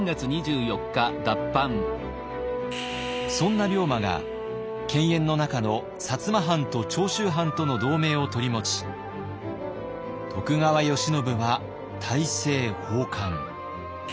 そんな龍馬が犬猿の仲の摩藩と長州藩との同盟を取り持ち徳川慶喜は大政奉還。